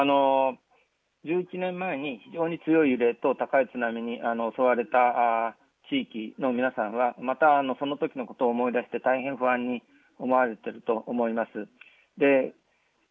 １１年前に非常に強い揺れと高い津波に襲われた地域の皆さんはまた、そのときのことを思い出して大変、不安に思われていると思います。